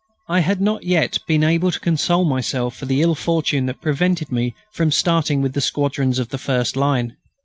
I had not yet been able to console myself for the ill fortune that prevented me from starting with the squadrons of the first line.